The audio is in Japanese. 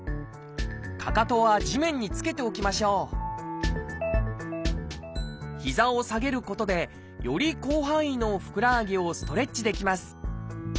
かかとは地面につけておきましょう膝を下げることでより広範囲のふくらはぎをストレッチできます。